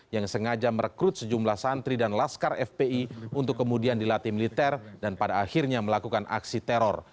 yang sengaja merekrut sejumlah santri dan laskar fpi untuk kemudian dilatih militer dan pada akhirnya melakukan aksi teror